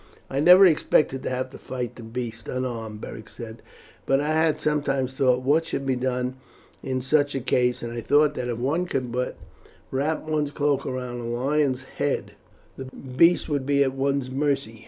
"I never expected to have to fight the beasts unarmed," Beric said, "but I had sometimes thought what should be done in such a case, and I thought that if one could but wrap one's cloak round a lion's head the beast would be at one's mercy.